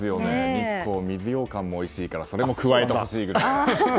日光、水ようかんもおいしいからそれも加えてほしいけど。